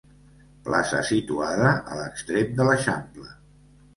Plaça situada a l'extrem de l'eixample.